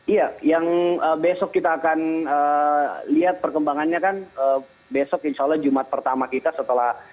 iya yang besok kita akan lihat perkembangannya kan besok insya allah jumat pertama kita setelah